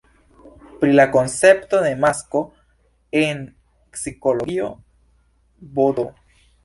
Pri la koncepto de "masko" en psikologio vd.